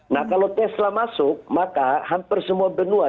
nah kalau tesla masuk maka hampir semua benua